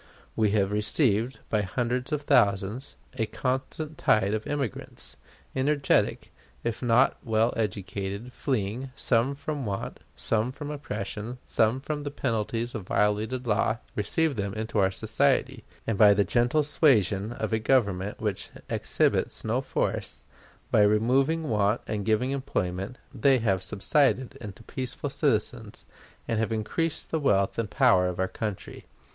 We have received, by hundreds of thousands, a constant tide of immigrants energetic, if not well educated, fleeing, some from want, some from oppression, some from the penalties of violated law received them into our society; and by the gentle suasion of a Government which exhibits no force, by removing want and giving employment, they have subsided into peaceful citizens, and have increased the wealth and power of our country.